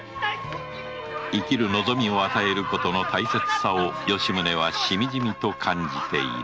生きる望みを与えることの大切さを吉宗はしみじみと感じている